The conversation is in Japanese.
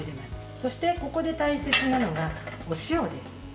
そして、ここで大切なのがお塩です。